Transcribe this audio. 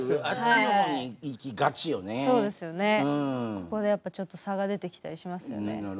ここでやっぱちょっと差が出てきたりしますよね。